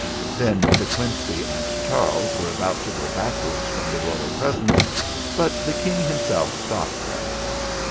Then De Quincey and Charles were about to go backwards from the royal presence; but the King himself stopped them.